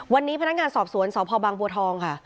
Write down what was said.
วันนี้พนักงานสอบสวนสพบางบัวทองค่ะ